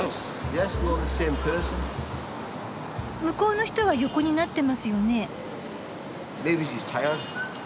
向こうの人は横になってますよね？